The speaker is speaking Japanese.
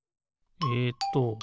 えっと